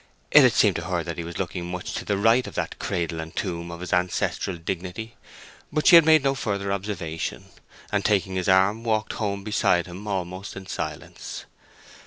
It had seemed to her that he was looking much to the right of that cradle and tomb of his ancestral dignity; but she made no further observation, and taking his arm walked home beside him almost in silence.